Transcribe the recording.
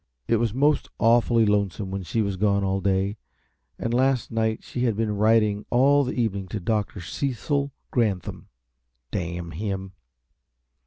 It was most awfully lonesome when she was gone all day, and last night she had been writing all the evening to Dr. Cecil Granthum damn him!